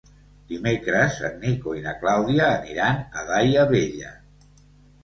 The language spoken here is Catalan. Dimecres en Nico i na Clàudia aniran a Daia Vella.